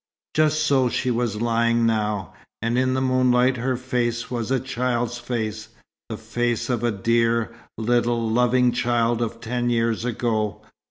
Just so she was lying now; and in the moonlight her face was a child's face, the face of the dear, little, loving child of ten years ago.